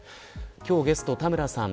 今日のゲスト、田村さん